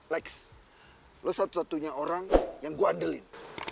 lex lo satu satunya orang yang gua andelin